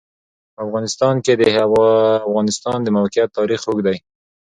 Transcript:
په افغانستان کې د د افغانستان د موقعیت تاریخ اوږد دی.